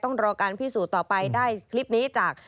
ต้องรอการพิสูจน์ต่อไปได้คลิปนี้จาก